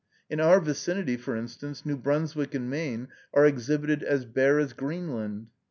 In our vicinity, for instance, New Brunswick and Maine are exhibited as bare as Greenland.